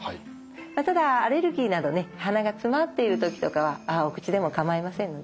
ただアレルギーなどね鼻が詰まっている時とかはお口でも構いませんのでね。